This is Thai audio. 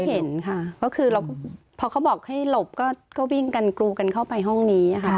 เห็นค่ะก็คือเราพอเขาบอกให้หลบก็วิ่งกันกรูกันเข้าไปห้องนี้ค่ะ